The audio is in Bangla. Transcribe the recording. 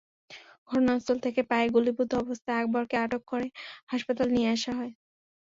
ঘটনাস্থল থেকে পায়ে গুলিবিদ্ধ অবস্থায় আকবরকে আটক করে হাসপাতালে নিয়ে আসা হয়।